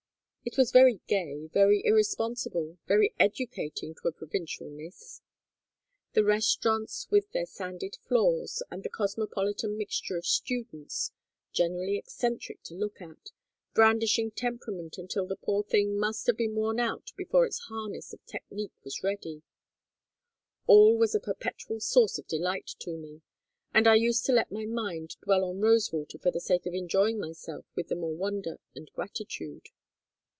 It was very gay, very irresponsible, very educating to a provincial miss. The restaurants with their sanded floors, and the cosmopolitan mixture of students, generally eccentric to look at, brandishing temperament until the poor thing must have been worn out before its harness of technique was ready all was a perpetual source of delight to me, and I used to let my mind dwell on Rosewater for the sake of enjoying myself with the more wonder and gratitude.